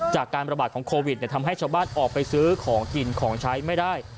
จากการประบาดของโควิดทำให้ชาวบ้านออกไปซื้อของกินของใช้ไม่ได้